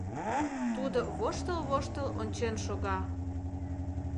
Тудо воштыл-воштыл ончен шога.